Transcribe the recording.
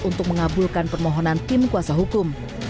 untuk mengabulkan permohonan tim kuasa hukum